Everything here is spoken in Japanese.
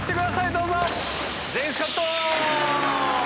どうぞ。